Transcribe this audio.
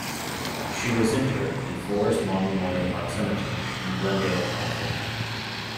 She was interred in Forest Lawn Memorial Park Cemetery in Glendale, California.